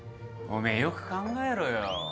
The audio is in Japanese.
おめえよく考えろよ。